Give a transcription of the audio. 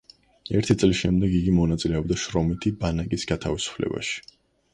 ერთი წლის შემდეგ იგი მონაწილეობდა შრომითი ბანაკის გათავისუფლებაში.